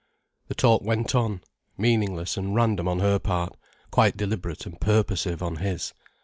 The talk went on, meaningless and random on her part, quite deliberate and purposive on his.